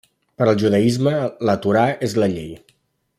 Per al judaisme, la Torà és la Llei.